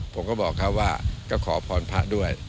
ผมก็บอกเขาว่าก็ขอพรพระด้วย